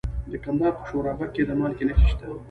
د کندهار په شورابک کې د مالګې نښې شته.